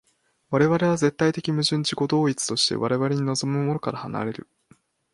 我々は絶対矛盾的自己同一として我々に臨むものから離れる。